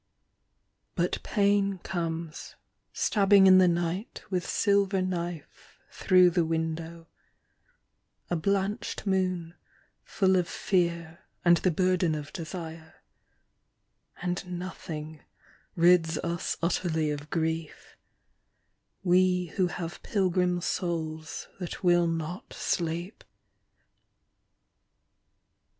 But pain comes stabbing in the night with silver knife through the window, A blanched moon full of fear and the burden of desire — And nothing rids us utterly of grief, We who have pilgrim souls that will not sleep.